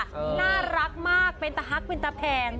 น่ารักมากเป็นตะฮักเป็นตะแพง